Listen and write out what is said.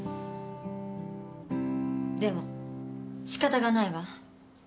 「でもしかたがないわ。